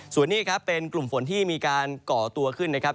ส่วนนี้ครับเป็นกลุ่มฝนที่มีการก่อตัวขึ้นนะครับ